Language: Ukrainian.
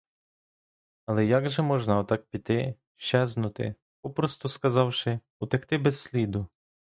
Але як же можна отак піти, щезнути, попросту сказавши — утекти без сліду?